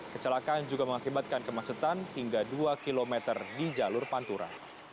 kecelakaan juga mengakibatkan kemacetan hingga dua km di jalur pantura